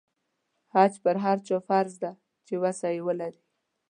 حج پر هغه چا فرض دی چې وسه یې ولري.